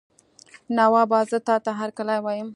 نوابه زه تاته هرکلی وایم.